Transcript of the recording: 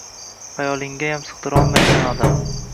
Xayolinggayam sigʻdirolmaysan odam